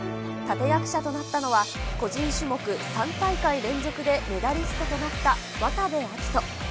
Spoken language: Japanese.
立て役者となったのは、個人種目３大会連続でメダリストとなった渡部暁斗。